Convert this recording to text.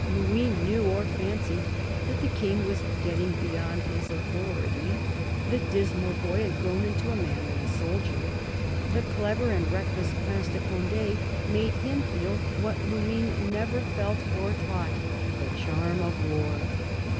Luynes knew, or fancied, that the King was getting beyond his authority : the dismal boy had grown into a man and a soldier. The clever and reckless Prince de Conde made him feel what Luynes never felt or taught — the charm of war.